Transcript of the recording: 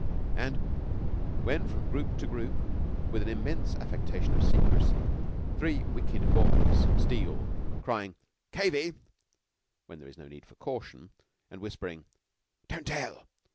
And when from group to group, with an immense affectation of secrecy, three wicked boys steal, crying "Cavé" when there is no need of caution, and whispering "Don't tell!"